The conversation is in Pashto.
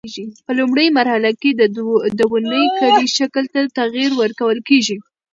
په لومړۍ مرحله کې د ونې کلي شکل ته تغییر ورکول کېږي.